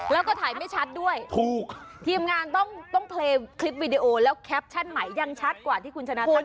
แล้วก็ถ่ายไม่ชัดด้วยถูกทีมงานต้องต้องคลิปวิดีโอแล้วฉันใหม่ยังชัดกว่าที่คุณชนะทำไม่ถ่าย